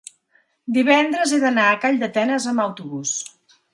divendres he d'anar a Calldetenes amb autobús.